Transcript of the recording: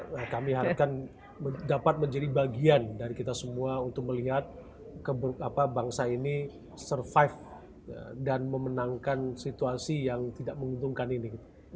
nah kami harapkan dapat menjadi bagian dari kita semua untuk melihat bangsa ini survive dan memenangkan situasi yang tidak menguntungkan ini